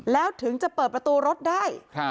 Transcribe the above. แล้วถึงจะเปิดประตูรถได้